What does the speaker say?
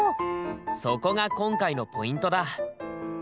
そこが今回のポイントだ！